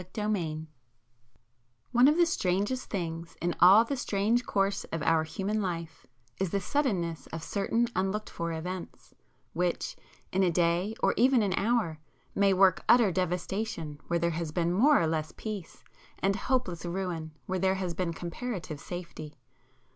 [p 329]XXVIII One of the strangest things in all the strange course of our human life is the suddenness of certain unlooked for events, which, in a day or even an hour, may work utter devastation where there has been more or less peace, and hopeless ruin where there has been comparative safety.